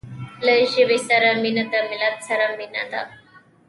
له ژبې سره مینه د ملت سره مینه ده.